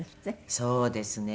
そうですね。